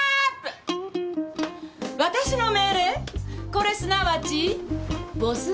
これすなわちボス